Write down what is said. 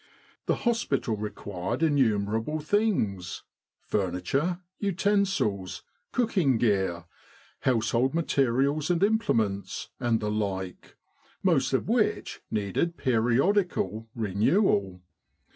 The hospital required innumerable things furniture, utensils, cooking gear, household materials and implements, and the like most of which needed periodical renewal.